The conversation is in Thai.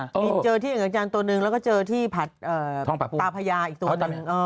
มีเจอที่เกะกะจานตัวหนึ่งแล้วก็เจอที่ถาดตาพยาอีกตัวนึง